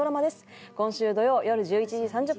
今週土曜よる１１時３０分から。